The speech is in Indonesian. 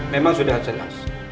memang sudah jelas